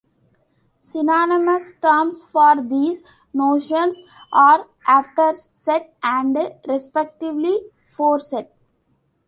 Synonymous terms for these notions are afterset and respectively foreset.